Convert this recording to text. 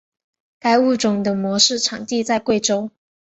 该物种的模式产地在贵州。